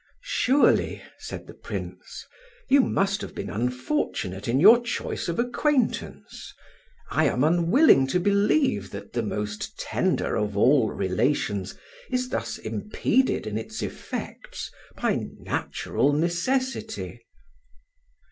"Surely," said the Prince, "you must have been unfortunate in your choice of acquaintance. I am unwilling to believe that the most tender of all relations is thus impeded in its effects by natural necessity."